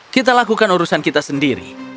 kita lakukan urusan kita sendiri